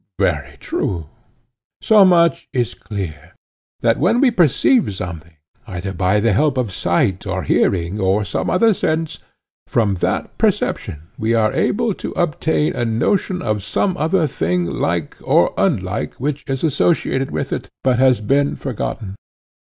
Very true. So much is clear—that when we perceive something, either by the help of sight, or hearing, or some other sense, from that perception we are able to obtain a notion of some other thing like or unlike which is associated with it but has been forgotten.